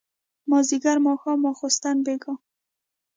مازيګر ماښام ماسخوتن بېګا